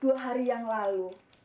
dua hari yang lalu